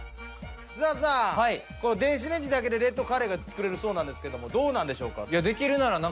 菅田さん電子レンジだけでレッドカレーが作れるそうなんですけどどうなんでしょうか。